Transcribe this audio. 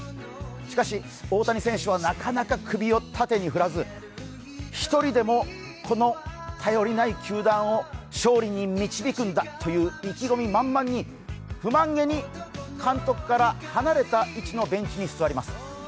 しかし大谷選手はなかなか首を縦に振らず一人でもこの頼りない球団を勝利に導くんだという意気込み満々に、不満げに監督から離れた位置のベンチに座ります。